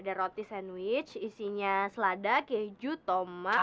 ada roti sandwich isinya selada keju tomat